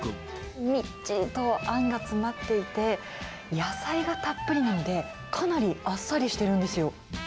みっちりとあんが詰まっていて、野菜がたっぷりなので、かなりあっさりしてるんですよ。